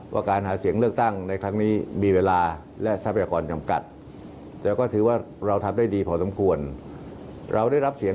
อยากฟังท่านนายยกหน่อยพูดอะไร